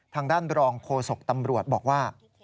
ทางด้านรองโฆษกตำรวจบอกว่า